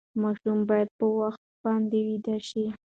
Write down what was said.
ماشومان باید په وخت باندې ویده شي.